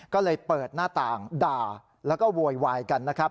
ก็เลยเปิดหน้าต่างด่าแล้วก็โวยวายกันนะครับ